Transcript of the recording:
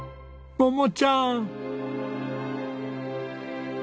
桃ちゃん！